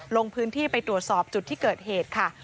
ลงพื้นที่ไปตรวจสอบจุดที่เกิดเหตุค่ะ